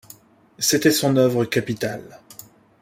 C’était son œuvre capitale.